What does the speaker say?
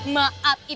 maaf itu kemarin